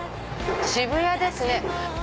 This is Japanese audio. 渋谷ですね。